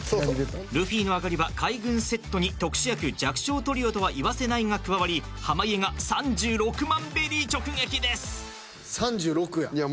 ルフィのあがりは海軍セットに特殊役弱小トリオとは言わせない！が加わり濱家が３６万ベリー直撃です。